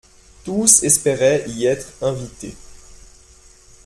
tous espéraient y être invités.